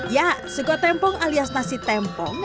ya sego tempong alias nasi tempong